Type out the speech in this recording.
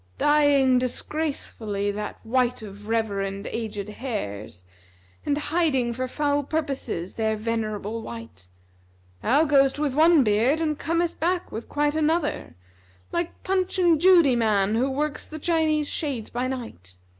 Dyeing disgracefully that white of reverend aged hairs, * And hiding for foul purposes their venerable white! Thou goest with one beard and comest back with quite another, * Like Punch and Judy man who works the Chinese shades by night.